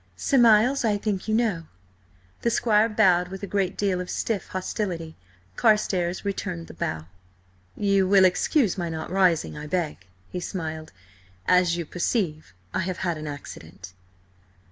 Sir Miles I think you know?" The squire bowed with a great deal of stiff hostility. Carstares returned the bow. "You will excuse my not rising, I beg," he smiled. "As you perceive–I have had an accident."